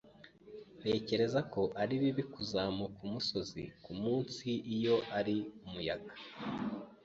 Ntekereza ko ari bibi kuzamuka umusozi kumunsi iyo ari umuyaga.